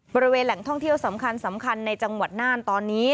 บริเวณแหล่งท่องเที่ยวสำคัญในจังหวัดน่านตอนนี้